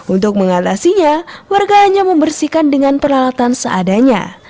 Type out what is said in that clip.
untuk mengatasinya warga hanya membersihkan dengan peralatan seadanya